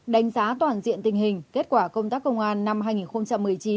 đánh giá toàn diện tình hình kết quả công tác công an năm hai nghìn một mươi chín